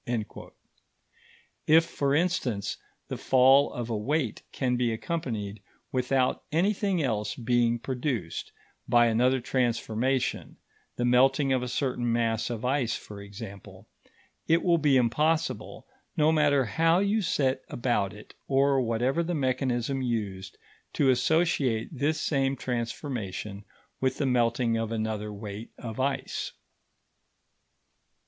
If, for instance, the fall of a weight can be accompanied, without anything else being produced, by another transformation the melting of a certain mass of ice, for example it will be impossible, no matter how you set about it or whatever the mechanism used, to associate this same transformation with the melting of another weight of ice.